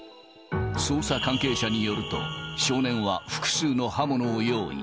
捜査関係者によると、少年は複数の刃物を用意。